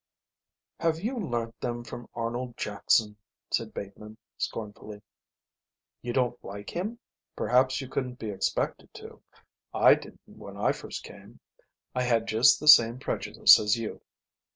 "Have you learnt them from Arnold Jackson?" asked Bateman, scornfully. "You don't like him? Perhaps you couldn't be expected to. I didn't when I first came. I had just the same prejudice as you.